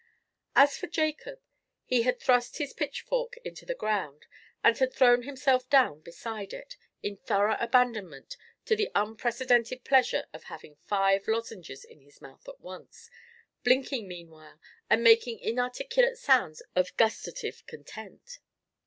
As for Jacob, he had thrust his pitchfork into the ground, and had thrown himself down beside it, in thorough abandonment to the unprecedented pleasure of having five lozenges in his mouth at once, blinking meanwhile, and making inarticulate sounds of gustative content.